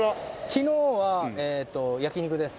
昨日は焼肉です。